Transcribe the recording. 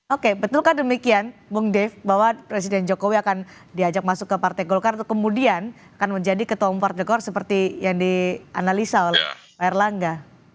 oke betulkan demikian mbak dave bahwa presiden jokowi akan diajak masuk ke partai golkar atau kemudian akan menjadi ketua umpar de gor seperti yang dianalisa pak erlangga